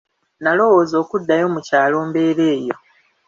Nalowooza okuddayo mu kyalo mbeere eyo.